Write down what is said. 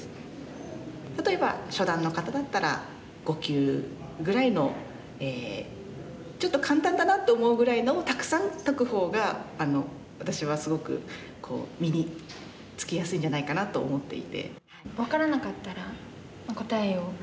例えば初段の方だったら５級ぐらいのちょっと簡単だなと思うぐらいのをたくさん解く方が私はすごく身につきやすいんじゃないかなと思っていて。